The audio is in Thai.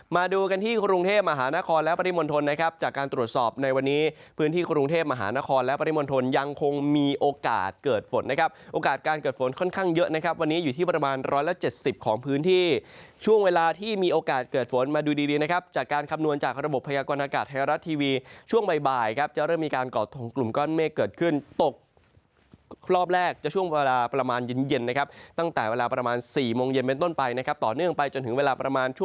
มาดูกันที่กรุงเทพฯมหานครและปริมณฑลนะครับจากการตรวจสอบในวันนี้พื้นที่กรุงเทพฯมหานครและปริมณฑลยังคงมีโอกาสเกิดฝนนะครับโอกาสการเกิดฝนค่อนข้างเยอะนะครับวันนี้อยู่ที่ประมาณ๑๗๐ของพื้นที่ช่วงเวลาที่มีโอกาสเกิดฝนมาดูดีนะครับจากการคำนวณจากระบบพยากรณากาศไทยรัสทีวีช่